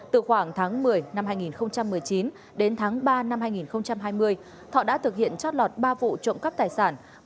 từ khoảng tháng một mươi năm hai nghìn một mươi chín đến tháng ba năm hai nghìn hai mươi thọ đã thực hiện trót lọt ba vụ trộm cắp tài sản